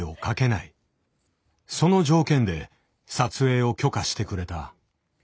その条件で撮影を許可してくれた。